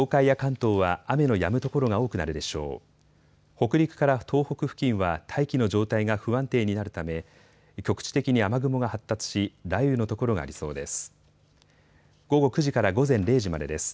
北陸から東北付近は大気の状態が不安定になるため局地的に雨雲が発達し、雷雨の所がありそうです。